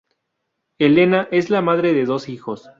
Helena es la madre de dos hijos.